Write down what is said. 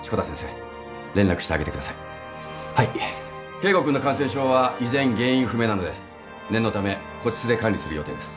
圭吾君の感染症は依然原因不明なので念のため個室で管理する予定です。